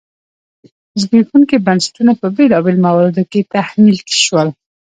زبېښونکي بنسټونه په بېلابېلو مواردو کې تحمیل شول.